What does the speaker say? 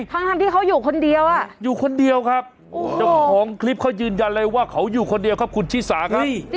ทั้งที่เขาอยู่คนเดียวอ่ะอยู่คนเดียวครับเจ้าของคลิปเขายืนยันเลยว่าเขาอยู่คนเดียวครับคุณชิสาครับ